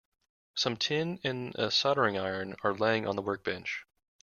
Some tin and a soldering iron are laying on the workbench.